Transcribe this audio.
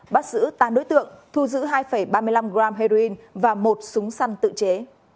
bắt giữ tám đối tượng thu giữ hai ba mươi năm gram heroin và một súng săn tự chế